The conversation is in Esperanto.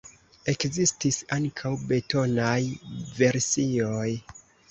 Ekzistis ankaŭ betonaj versioj.